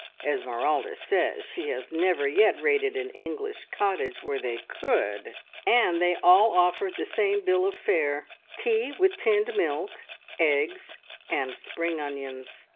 (Esmeralda says she has never yet raided an English cottage where they could.) And they all offered the same bill of fare tea with tinned milk, eggs, and spring onions!